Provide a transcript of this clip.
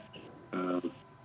dengan tiga periode